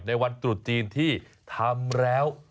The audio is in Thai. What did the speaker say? วันตรุษจีนที่ทำแล้ว